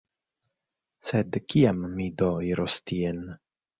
Sed kiam mi do iros tien?